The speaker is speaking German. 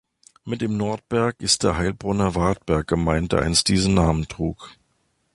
Mit dem Nordberg ist der Heilbronner Wartberg gemeint, der einst diesen Namen trug.